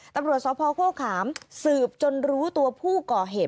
ตำรวจสพโฆขามสืบจนรู้ตัวผู้ก่อเหตุ